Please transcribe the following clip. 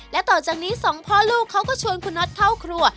และต่อจากนี้สองพ่อลูกเขาก็ชวนคุณน็อตเข้าครัว